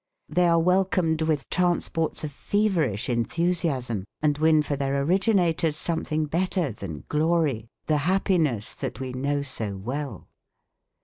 They are welcomed with transports of feverish enthusiasm and win for their originators something better than glory, the happiness that we know so well.